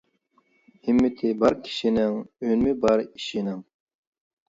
ھىممىتى بار كىشىنىڭ، ئۈنۈمى بار ئىشىنىڭ.